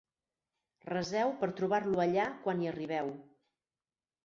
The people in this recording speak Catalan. Reseu per trobar-lo allà quan hi arribeu.